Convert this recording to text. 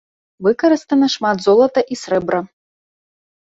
Выкарыстана шмат золата і срэбра.